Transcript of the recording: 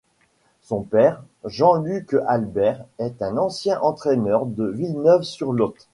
Son père, Jean-Luc Albert, est un ancien entraîneur de Villeneuve-sur-Lot.